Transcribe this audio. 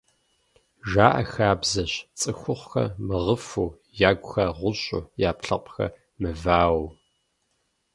Жаӏэ хабзэщ цӏыхухъухэр мыгъыфу, ягухэр гъущӏу я ӏэпкълъэпкъхэр мываэу…